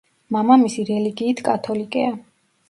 მამამისი რელიგიით კათოლიკეა.